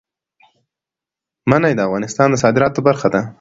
منی د افغانستان د صادراتو برخه ده.